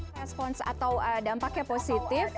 respon atau dampaknya positif